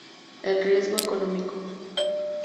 El Riesgo Económico.